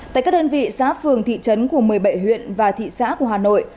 tại các đơn vị xã phường thị trấn của một mươi bảy huyện và thị xã của hà nội